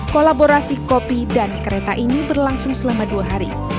kolaborasi kopi dan kereta ini berlangsung selama dua hari